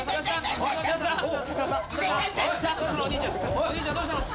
「お兄ちゃんどうしたの？」